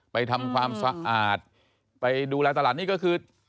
ไปทำความสะอาดไปดูแลตลาดนี้ก็คือ